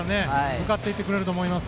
向かっていってくれると思います。